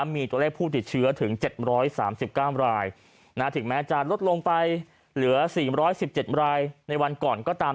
มีตัวเลขผู้ติดเชื้อถึง๗๓๙รายถึงแม้จะลดลงไปเหลือ๔๑๗รายในวันก่อนก็ตาม